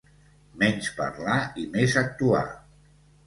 Menys parlar i més actuar.